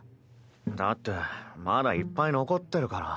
だってまだいっぱい残ってるから。